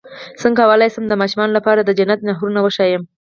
څنګه کولی شم د ماشومانو لپاره د جنت نهرونه وښایم